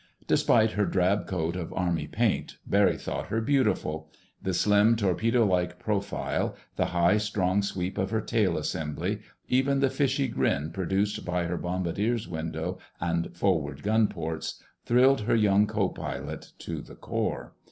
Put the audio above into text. Despite her drab coat of Army paint Barry thought her beautiful. The slim, torpedo like profile, the high, strong sweep of her tail assembly—even the fishy grin produced by her bombardier's window and forward gun ports—thrilled her young co pilot to the core.